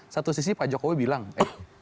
satu sisi pak jokowi bilang eh